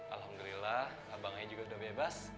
alhamdulillah abang ayo juga udah bebas